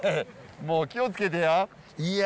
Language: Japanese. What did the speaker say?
もう気を付けてや。